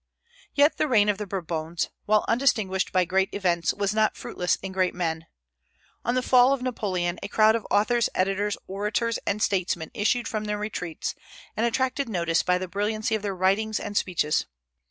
Yet the reign of the Bourbons, while undistinguished by great events, was not fruitless in great men. On the fall of Napoleon, a crowd of authors, editors, orators, and statesmen issued from their retreats, and attracted notice by the brilliancy of their writings and speeches.